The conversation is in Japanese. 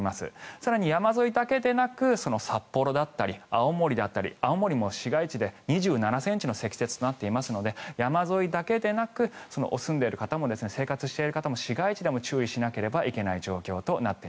更に山沿いだけでなく札幌だったり青森だったり青森も市街地で２７ｃｍの積雪となっていますので山沿いだけでなく住んでいる方も生活している方も市街地でも注意しなければいけない状況です。